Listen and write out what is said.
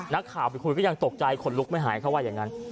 นักข่าวไปคุยก็ยังตกใจขนลุกไม่หายเขาว่าอย่างนั้น